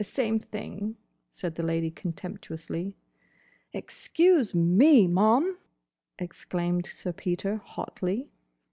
"Same thing," said the Lady contemptuously. "Excuse me, ma'am—!" exclaimed Sir Peter hotly.